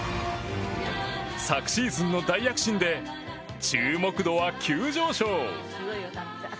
昨シーズンの大躍進で注目度は急上昇！